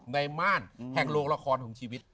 ม่านแห่งโรงละครของชีวิต